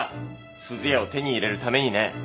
すずやを手に入れるためにね。